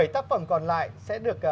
bảy tác phẩm còn lại sẽ được